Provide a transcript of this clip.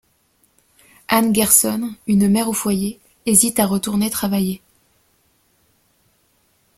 Anne Gerson, une mère au foyer, hésite à retourner travailler.